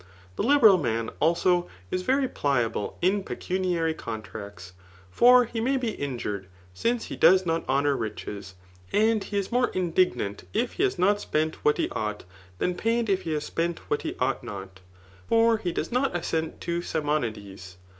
The liberal man, also, is very pliable in pecuniary contracts. For he may be injured, since he does not honour riches ; and he is more indignant if he has not spent what he ought, than pained if he has spent what he ought not ; for he does not assent to Simonides.